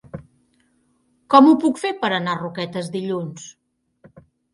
Com ho puc fer per anar a Roquetes dilluns?